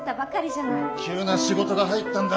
急な仕事が入ったんだ。